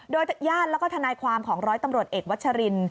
โดยญาติแล้วก็ทนายความของร้อยตำรวจเอกวัชริน